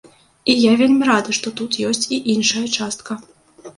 І я вельмі рада, што тут ёсць і іншая частка.